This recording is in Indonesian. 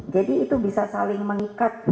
jadi itu bisa saling mengikat